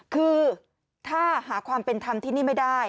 คือถ้าหาความเป็นธรรมที่นี่ไม่ได้